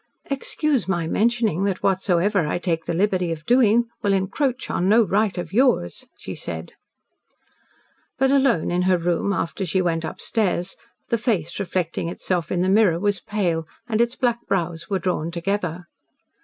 "Excuse my mentioning that whatsoever I take the liberty of doing will encroach on no right of yours," she said. But, alone in her room, after she went upstairs, the face reflecting itself in the mirror was pale and its black brows were drawn together.